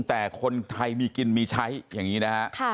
แต่คนไทยมีกินมีใช้อย่างนี้นะฮะ